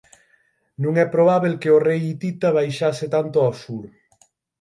Non é probábel que o rei hitita baixase tanto ao sur.